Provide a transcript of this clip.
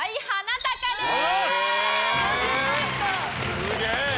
すげえ！